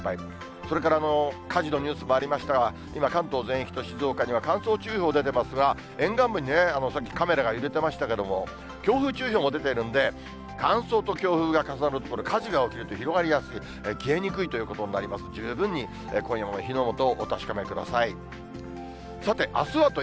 それから火事のニュースもありましたが、今、関東全域と静岡には乾燥注意報出てますが、沿岸部にさっき、カメラが揺れてましたけども、強風注意報も出てるんで、乾燥と強風が重なると火事が起きると広がりやすい、消えにくいということになりますので、十分に今夜も火の元気をつけてください。